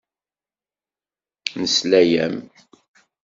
Nesla-am.